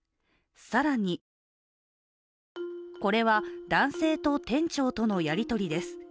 更にこれは男性と店長とのやり取りです。